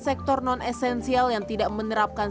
sektor non esensial yang tidak menerapkan